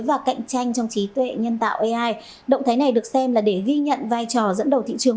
và cạnh tranh trong trí tuệ nhân tạo ai động thái này được xem là để ghi nhận vai trò dẫn đầu thị trường